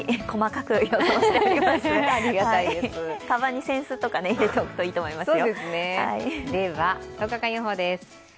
かばんにせんすとか入れておくといいと思います。